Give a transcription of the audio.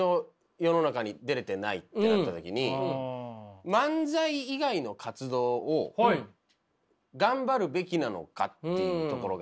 世の中に出れてないってなった時に漫才以外の活動を頑張るべきなのかっていうところがあって。